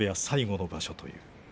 最後の場所という。